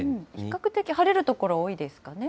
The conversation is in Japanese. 比較的、晴れる所、多いですかね。